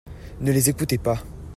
Ne les écoutez pas